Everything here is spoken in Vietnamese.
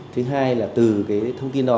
thứ hai là từ cái thông tin đó